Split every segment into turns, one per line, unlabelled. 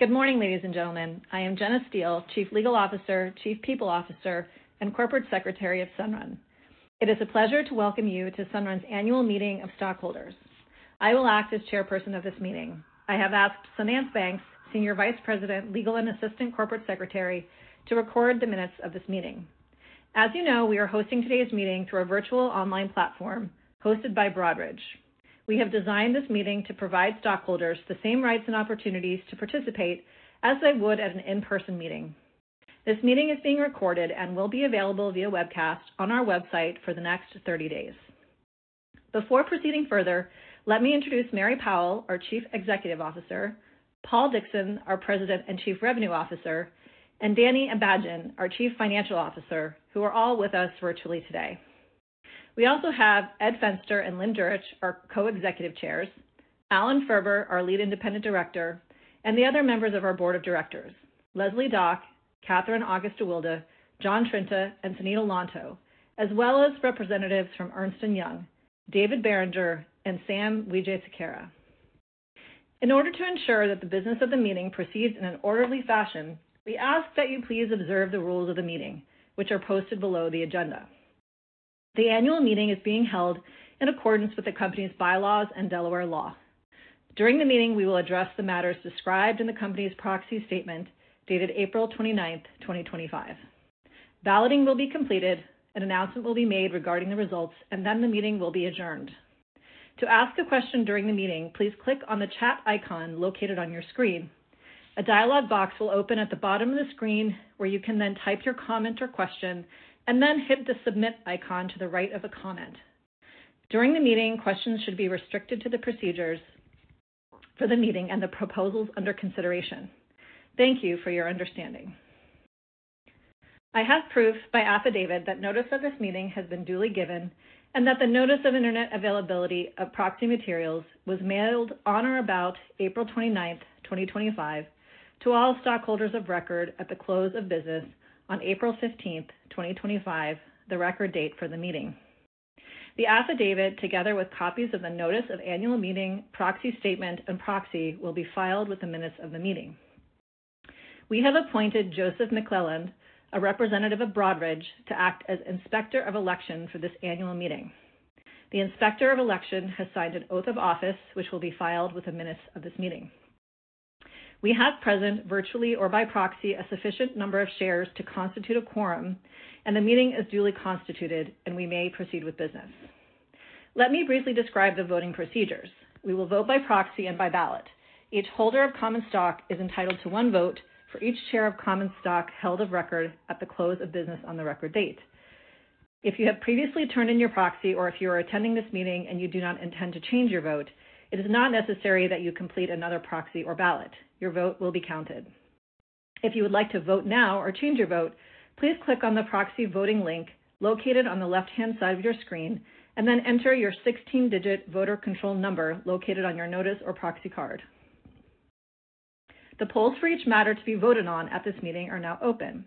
Good morning, ladies and gentlemen. I am Jeanna Steele, Chief Legal Officer, Chief People Officer, and Corporate Secretary of Sunrun. It is a pleasure to welcome you to Sunrun's annual meeting of stockholders. I will act as Chairperson of this meeting. I have asked SunTrust Bank's Senior Vice President, Legal and Assistant Corporate Secretary, to record the minutes of this meeting. As you know, we are hosting today's meeting through a virtual online platform hosted by Broadridge. We have designed this meeting to provide stockholders the same rights and opportunities to participate as they would at an in-person meeting. This meeting is being recorded and will be available via webcast on our website for the next 30 days. Before proceeding further, let me introduce Mary Powell, our Chief Executive Officer; Paul Dickson, our President and Chief Revenue Officer; and Danny Abajian, our Chief Financial Officer, who are all with us virtually today. We also have Ed Fenster and Lynn Jurich, our Co-Executive Chairs; Alan Ferber, our Lead Independent Director; and the other members of our Board of Directors: Leslie Dach, Katherine August-deWilde, John Trinta, and Sonita Lontoh, as well as representatives from Ernst & Young, David Barringer, and Sam Wijesuriya. In order to ensure that the business of the meeting proceeds in an orderly fashion, we ask that you please observe the rules of the meeting, which are posted below the agenda. The annual meeting is being held in accordance with the company's bylaws and Delaware law. During the meeting, we will address the matters described in the company's proxy statement dated April 29th, 2025. Balloting will be completed, an announcement will be made regarding the results, and then the meeting will be adjourned. To ask a question during the meeting, please click on the chat icon located on your screen. A dialog box will open at the bottom of the screen where you can then type your comment or question and then hit the submit icon to the right of a comment. During the meeting, questions should be restricted to the procedures for the meeting and the proposals under consideration. Thank you for your understanding. I have proof by affidavit that notice of this meeting has been duly given and that the notice of internet availability of proxy materials was mailed on or about April 29th, 2025, to all stockholders of record at the close of business on April 15th, 2025, the record date for the meeting. The affidavit, together with copies of the notice of annual meeting, proxy statement, and proxy, will be filed with the minutes of the meeting. We have appointed Joseph McClelland, a representative of Broadridge, to act as Inspector of Election for this annual meeting. The Inspector of Election has signed an oath of office, which will be filed with the minutes of this meeting. We have present virtually or by proxy a sufficient number of shares to constitute a quorum, and the meeting is duly constituted, and we may proceed with business. Let me briefly describe the voting procedures. We will vote by proxy and by ballot. Each holder of common stock is entitled to one vote for each share of common stock held of record at the close of business on the record date. If you have previously turned in your proxy, or if you are attending this meeting and you do not intend to change your vote, it is not necessary that you complete another proxy or ballot. Your vote will be counted. If you would like to vote now or change your vote, please click on the proxy voting link located on the left-hand side of your screen and then enter your 16-digit voter control number located on your notice or proxy card. The polls for each matter to be voted on at this meeting are now open.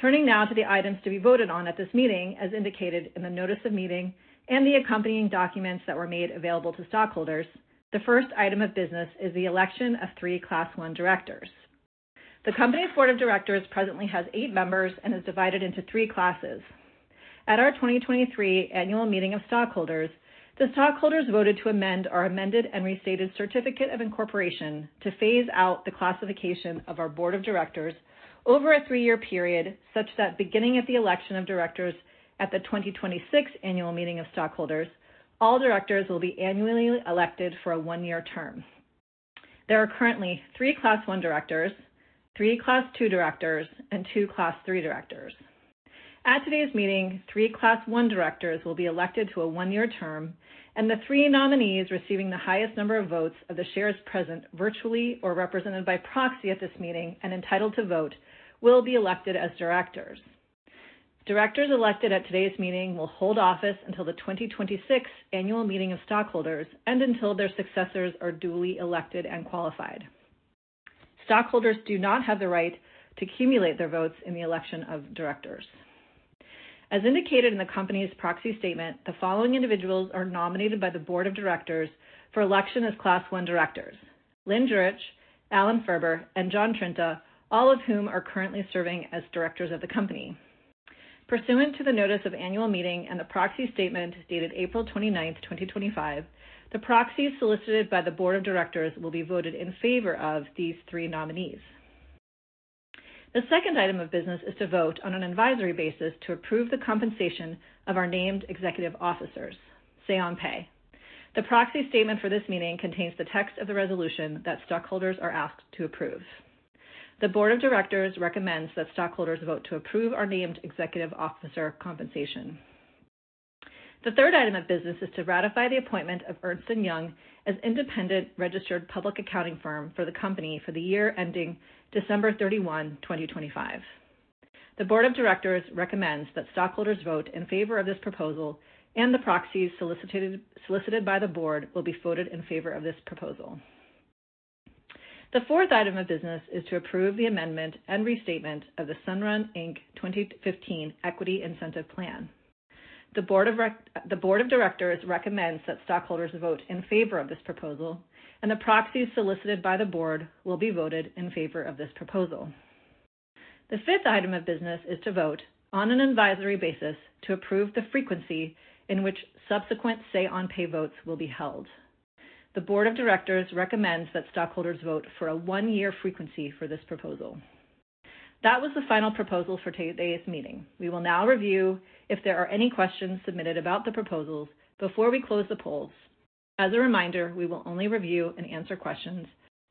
Turning now to the items to be voted on at this meeting, as indicated in the notice of meeting and the accompanying documents that were made available to stockholders, the first item of business is the election of three Class 1 directors. The company's Board of Directors presently has eight members and is divided into three classes. At our 2023 annual meeting of stockholders, the stockholders voted to amend our amended and restated certificate of incorporation to phase out the classification of our Board of Directors over a three-year period such that beginning at the election of directors at the 2026 annual meeting of stockholders, all directors will be annually elected for a one-year term. There are currently three Class 1 directors, three Class 2 directors, and two Class 3 directors. At today's meeting, three Class 1 directors will be elected to a one-year term, and the three nominees receiving the highest number of votes of the shares present virtually or represented by proxy at this meeting and entitled to vote will be elected as directors. Directors elected at today's meeting will hold office until the 2026 annual meeting of stockholders and until their successors are duly elected and qualified. Stockholders do not have the right to accumulate their votes in the election of directors. As indicated in the company's proxy statement, the following individuals are nominated by the Board of Directors for election as Class 1 directors: Lynn Jurich, Alan Ferber, and John Trinta, all of whom are currently serving as directors of the company. Pursuant to the notice of annual meeting and the proxy statement dated April 29th, 2025, the proxies solicited by the Board of Directors will be voted in favor of these three nominees. The second item of business is to vote on an advisory basis to approve the compensation of our named executive officers, Say-on-Pay. The proxy statement for this meeting contains the text of the resolution that stockholders are asked to approve. The Board of Directors recommends that stockholders vote to approve our named executive officer compensation. The third item of business is to ratify the appointment of Ernst & Young as independent registered public accounting firm for the company for the year ending December 31, 2025. The Board of Directors recommends that stockholders vote in favor of this proposal, and the proxies solicited by the board will be voted in favor of this proposal. The fourth item of business is to approve the amendment and restatement of the Sunrun Inc 2015 Equity Incentive Plan. The Board of Directors recommends that stockholders vote in favor of this proposal, and the proxies solicited by the board will be voted in favor of this proposal. The fifth item of business is to vote on an advisory basis to approve the frequency in which subsequent Say-on-Pay votes will be held. The Board of Directors recommends that stockholders vote for a one-year frequency for this proposal. That was the final proposal for today's meeting. We will now review if there are any questions submitted about the proposals before we close the polls. As a reminder, we will only review and answer questions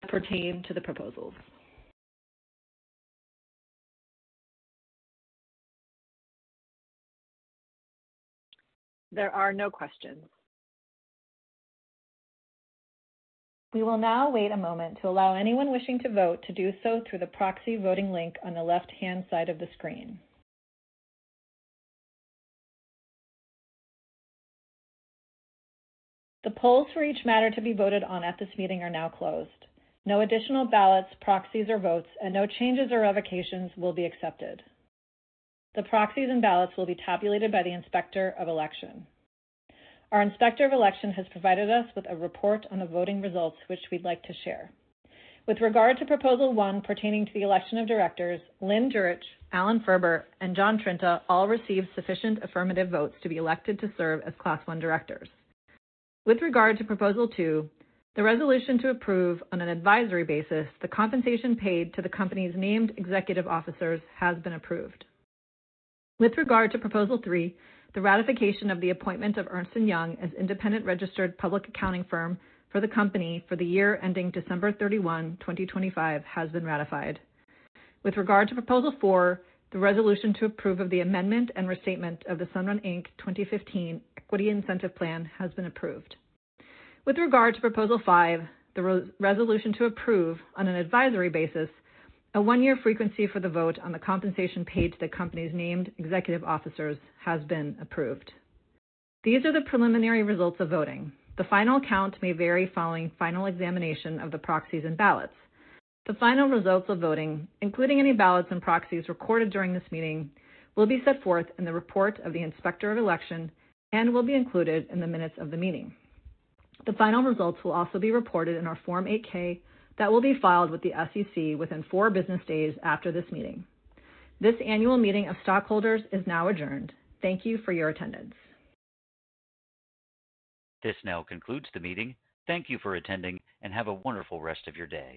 pertaining to the proposals. There are no questions. We will now wait a moment to allow anyone wishing to vote to do so through the proxy voting link on the left-hand side of the screen. The polls for each matter to be voted on at this meeting are now closed. No additional ballots, proxies, or votes, and no changes or revocations will be accepted. The proxies and ballots will be tabulated by the Inspector of Election. Our Inspector of Election has provided us with a report on the voting results, which we'd like to share. With regard to Proposal 1 pertaining to the election of directors, Lynn Jurich, Alan Ferber, and John Trinta all received sufficient affirmative votes to be elected to serve as Class 1 directors. With regard to Proposal 2, the resolution to approve on an advisory basis the compensation paid to the company's named executive officers has been approved. With regard to Proposal 3, the ratification of the appointment of Ernst & Young as independent registered public accounting firm for the company for the year ending December 31, 2025, has been ratified. With regard to Proposal 4, the resolution to approve of the amendment and restatement of the Sunrun Inc 2015 Equity Incentive Plan has been approved. With regard to Proposal 5, the resolution to approve on an advisory basis a one-year frequency for the vote on the compensation paid to the company's named executive officers has been approved. These are the preliminary results of voting. The final count may vary following final examination of the proxies and ballots. The final results of voting, including any ballots and proxies recorded during this meeting, will be set forth in the report of the Inspector of Election and will be included in the minutes of the meeting. The final results will also be reported in our Form 8-K that will be filed with the SEC within four business days after this meeting. This annual meeting of stockholders is now adjourned. Thank you for your attendance.
This now concludes the meeting. Thank you for attending and have a wonderful rest of your day.